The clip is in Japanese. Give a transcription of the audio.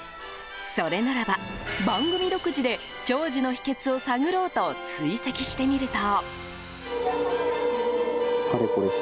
それならば、番組独自で長寿の秘訣を探ろうと追跡してみると。